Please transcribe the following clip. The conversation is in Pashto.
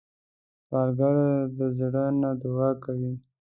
سوالګر د زړه نه دعا کوي